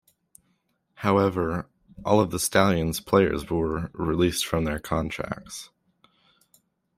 However, all of the Stallions players were released from their contracts.